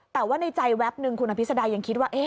แต่ว่าในใจแวบนึงคุณอภิษดายังคิดว่า